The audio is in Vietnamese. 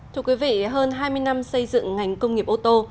thưa quý vị hơn hai mươi năm xây dựng ngành công nghiệp ô tô